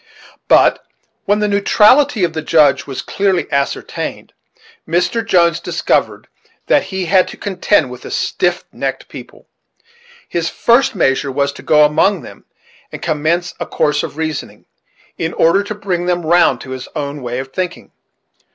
But, when the neutrality of the Judge was clearly ascertained, Mr. Jones discovered that he had to contend with a stiff necked people. His first measure was to go among them and commence a course of reasoning, in order to bring them round to his own way of thinking.